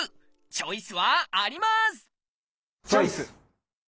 チョイス！